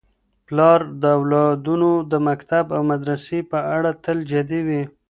پلار د اولادونو د مکتب او مدرسې په اړه تل جدي وي.